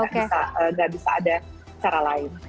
nggak bisa ada cara lain